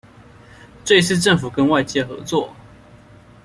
這一次政府跟外界合作